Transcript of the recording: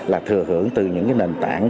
là thừa hưởng từ những nền tảng